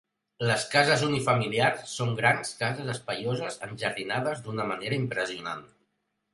Les cases unifamiliars són grans cases espaioses enjardinades d'una manera impressionant.